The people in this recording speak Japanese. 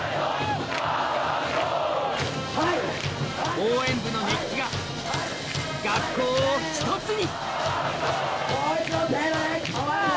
応援部の熱気が学校を一つに